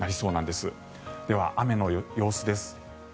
では、雨の様子です。